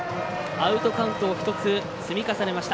アウトカウントを１つ積み重ねました。